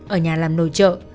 ở nhà làm nồi trợ